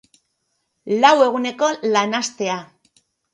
Lau eguneko lan astea.